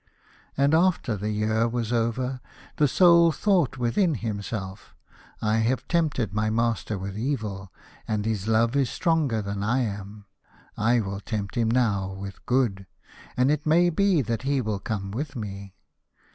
And after the year was over, the Soul thought within himself, " I have tempted my master with evil, and his love is stronger than I am. I will tempt him now with good, and it may be that he will come with me."